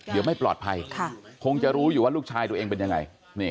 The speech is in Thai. เดี๋ยวไม่ปลอดภัยคงจะรู้อยู่ว่าลูกชายตัวเองเป็นยังไง